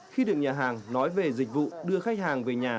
khi được nhà hàng nói về dịch vụ đưa khách hàng về nhà